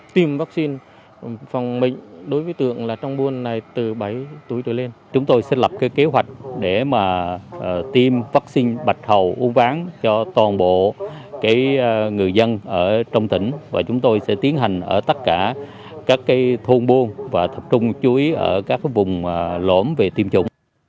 tiêm phòng bạch hầu uống ván cho toàn bộ người dân trong tỉnh và chúng tôi sẽ tiến hành ở tất cả các thôn buôn và thập trung chú ý ở các vùng lõm về tiêm chủng